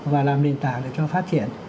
và làm nền tảng để cho phát triển